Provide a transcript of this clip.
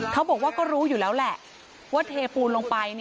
เขาบอกว่าก็รู้อยู่แล้วแหละว่าเทปูนลงไป